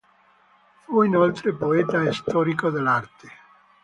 Fu inoltre poeta e storico dell'arte.